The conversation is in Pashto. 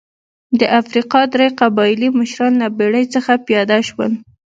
د افریقا درې قبایلي مشران له بېړۍ څخه پیاده شول.